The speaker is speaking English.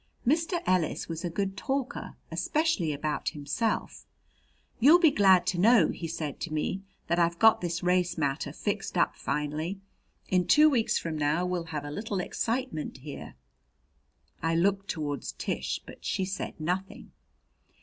Mr. Ellis was a good talker, especially about himself. "You'll be glad to know," he said to me, "that I've got this race matter fixed up finally. In two weeks from now we'll have a little excitement here." I looked toward Tish, but she said nothing.